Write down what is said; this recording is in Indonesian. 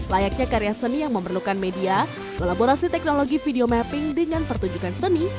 layaknya karya seni yang memerlukan media kolaborasi teknologi video mapping dengan pertunjukan seni